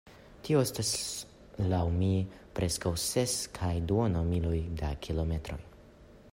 Tio estus, laŭ mi, preskaŭ ses kaj duono miloj da kilometroj.